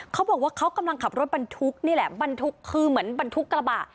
เขาบอกว่าเขากำลังขับรถบรรทุกนี่แหละบรรทุกคือเหมือนบรรทุกกระบะ